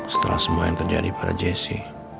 setelah semua yang terjadi pada jc